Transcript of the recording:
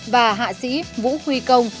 và hạ sĩ vũ quy công